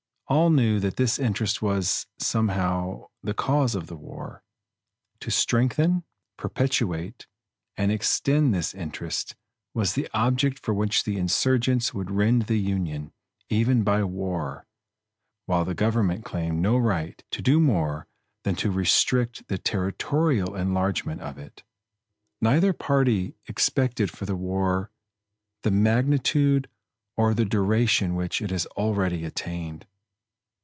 All knew that this interest was, somehow, the cause of the war. To strengthen, perpetuate, and extend this interest was the object for which the insurgents would rend the Union, even by war; while the government claimed no right to do more than to restrict the territorial enlargement of it. Neither party expected for the war the magnitude or the duration which it has already attained.